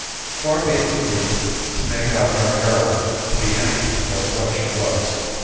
Far be it from me to make out our heroine to be anything but what she was.